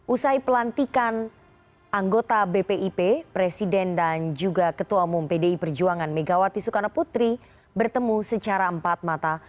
usai pelantikan anggota bpip presiden dan juga ketua umum pdi perjuangan megawati sukarno putri bertemu secara empat mata